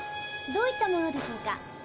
どういったものでしょうか？